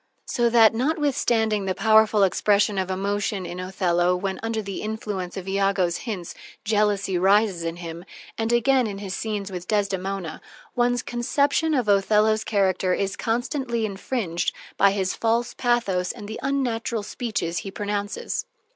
_ So that notwithstanding the powerful expression of emotion in Othello when, under the influence of Iago's hints, jealousy rises in him, and again in his scenes with Desdemona, one's conception of Othello's character is constantly infringed by his false pathos and the unnatural speeches he pronounces.